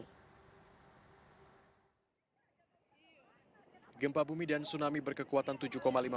sesar palu koro